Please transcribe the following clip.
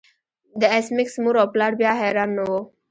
د ایس میکس مور او پلار بیا حیران نه وو